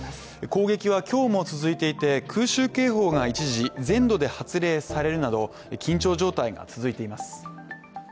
攻撃は今日も続いていて、空襲警報が一時、全土で発令されるなど緊張状態が続いています。